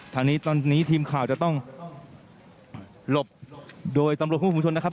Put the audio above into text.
ทีมข่าวจะต้องหลบโดยตำรวบคุณภูมิชนนะครับ